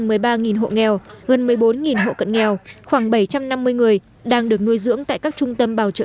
hộ nghèo gần một mươi bốn hộ cận nghèo khoảng bảy trăm năm mươi người đang được nuôi dưỡng tại các trung tâm bảo trợ